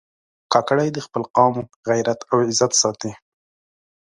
کاکړي د خپل قوم غیرت او عزت ساتي.